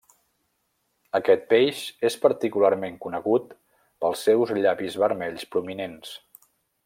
Aquest peix és particularment conegut pels seus llavis vermells prominents.